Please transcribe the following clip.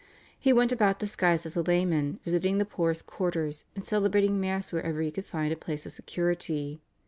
He went about disguised as a layman, visiting the poorest quarters, and celebrating Mass wherever he could find a place of security.